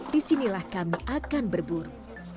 disinilah kami akan berburu